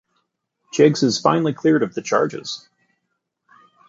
Jiggs is finally cleared of the charges.